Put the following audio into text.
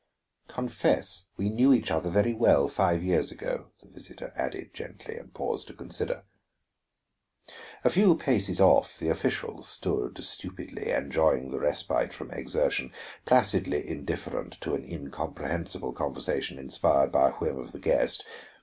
"Confess we knew each other very well five years ago," the visitor added gently, and paused to consider. A few paces off the official stood stupidly enjoying the respite from exertion; placidly indifferent to an incomprehensible conversation inspired by a whim of the guest.